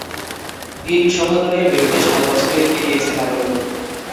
তিন সহোদরের বিরুদ্ধে সাত বছর কি দিয়েছেন আদালত?